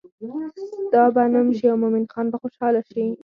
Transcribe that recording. ستا به نوم شي او مومن خان به خوشحاله شي.